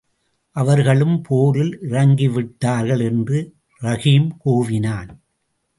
அவர்களும் போரில் இறங்கிவிட்டார்கள்! என்று ரஹீம் கூவினான்.